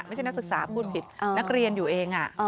ไม่ใช่นักศึกษาพูดผิดนักเรียนอยู่เองอะ